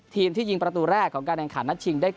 ทีมที่ยิงประตูแรกของการแห่งขาดนัทฉิงได้ก่อน